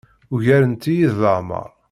Ugarent-iyi deg leɛmeṛ.